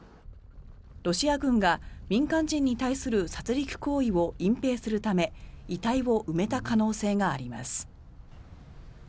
ロシア軍が民間人に対する殺りく行為を隠ぺいするため遺体を埋めた可能性があります。